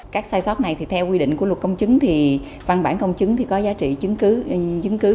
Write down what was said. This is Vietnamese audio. các sai sót này thì theo quy định của luật công chứng thì văn bản công chứng thì có giá trị chứng cứ